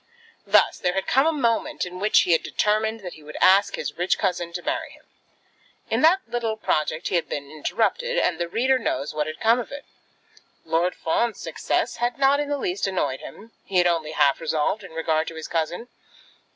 Thus there had come a moment in which he had determined that he would ask his rich cousin to marry him. In that little project he had been interrupted, and the reader knows what had come of it. Lord Fawn's success had not in the least annoyed him. He had only half resolved in regard to his cousin.